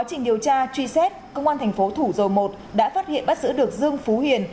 quá trình điều tra truy xét công an thành phố thủ dầu một đã phát hiện bắt giữ được dương phú hiền